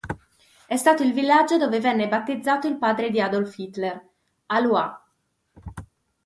È stato il villaggio dove venne battezzato il padre di Adolf Hitler, Alois.